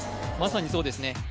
まさにそうですね